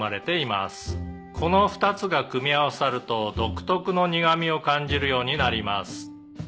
「この２つが組み合わさると独特の苦味を感じるようになります」